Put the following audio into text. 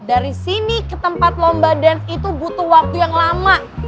dari sini ke tempat lomba dance itu butuh waktu yang lama